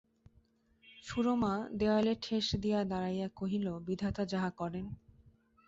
সুরমা দেয়ালে ঠেস দিয়া দাঁড়াইয়া কহিল, বিধাতা যাহা করেন।